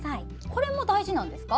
これも大事なんですか。